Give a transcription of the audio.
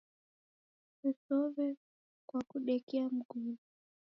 Kusesow'e and kwa kudekia mgulu.